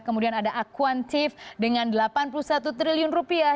kemudian ada aquantive dengan delapan puluh satu triliun rupiah